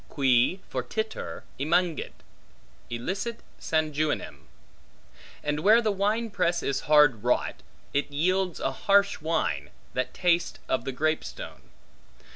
Qui fortiter emungit, elicit sanguinem; and where the wine press is hard wrought, it yields a harsh wine, that tastes of the grape stone.